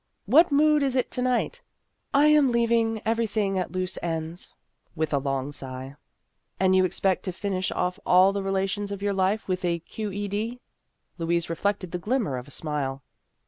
" What mood is it to night ?"" I am leaving everything at loose ends," with a long sigh. " And you expected to finish off all the relations of your life with a Q.E.D. ?" Louise reflected the glimmer of a smile.